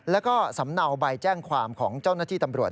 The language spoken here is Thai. แล้วก็สำเนาใบแจ้งความของเจ้าหน้าที่ตำรวจ